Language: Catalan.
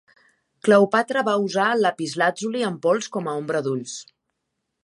Cleopatra va usar el lapislàtzuli en pols com a ombra d'ulls.